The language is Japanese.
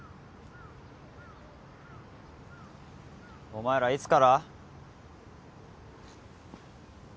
・お前らいつから？